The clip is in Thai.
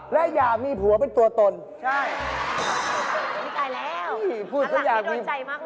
และอย่ามีผัวเป็นตัวตนใช่